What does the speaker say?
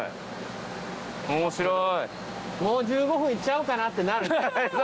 もう１５分いっちゃおうかなってなる。